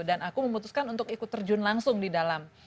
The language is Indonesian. dan aku memutuskan untuk ikut terjun langsung di dalam